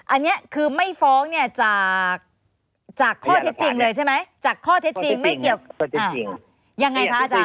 อันนี้คือไม่ฟ้องจากข้อเท็จจริงเลยใช่ไหม